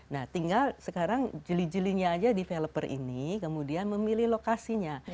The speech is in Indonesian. nah tinggal sekarang jeli jelinya aja developer ini kemudian memilih lokasinya